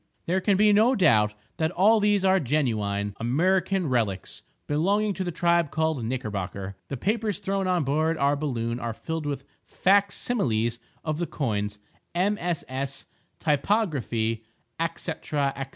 There can be no doubt that all these are genuine Amriccan relics belonging to the tribe called Knickerbocker. The papers thrown on board our balloon are filled with fac similes of the coins, MSS., typography, &c., &c.